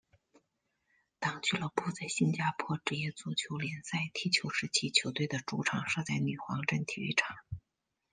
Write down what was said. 当俱乐部在新加坡职业足球联赛踢球时期球队的主场设在女皇镇体育场。